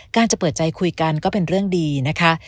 จะเปิดใจคุยกันก็เป็นเรื่องดีนะคะ